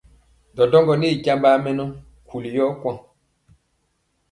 Ɗɔɗɔŋgɔ ni i jambaa mɛnɔ nkuli yɔ kwaŋ.